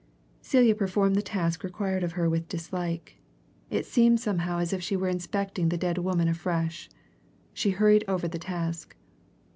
Celia performed the task required of her with dislike it seemed somehow as if she were inspecting the dead woman afresh. She hurried over the task.